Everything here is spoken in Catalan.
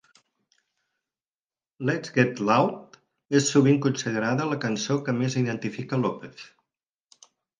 "Let 's Get Loud" és sovint considerada la cançó que més identifica López.